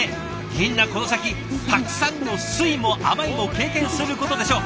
みんなこの先たくさんの酸いも甘いも経験することでしょう。